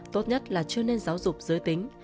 tốt nhất là chưa nên giáo dục giới tính